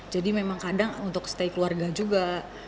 jadi memang kadang untuk stay keluarga juga